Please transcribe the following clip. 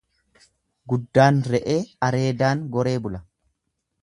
Guddaan re'ee, areedaan goree bula.